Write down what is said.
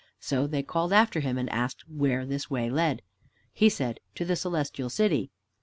So they called after him, and asked where this way led. He said, "To the Celestial City."